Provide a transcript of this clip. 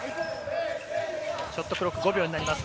ショットクロック、５秒になります。